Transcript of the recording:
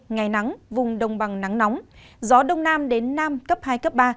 ngày nắng vùng đồng bằng nắng nóng gió đông nam đến nam cấp hai cấp ba